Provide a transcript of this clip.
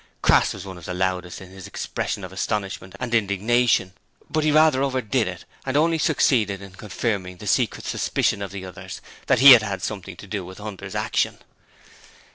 Crass was one of the loudest in his expression of astonishment and indignation, but he rather overdid it and only succeeded in confirming the secret suspicion of the others that he had had something to do with Hunter's action.